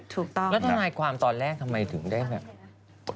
ถูกต้องแล้วทนายความตอนแรกทำไมถึงได้แบบ